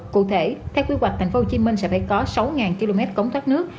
cụ thể theo quy hoạch tp hcm sẽ phải có sáu km cống thoát nước